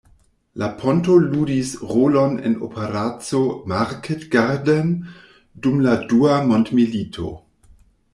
La ponto ludis rolon en Operaco Market Garden dum la Dua Mondmilito.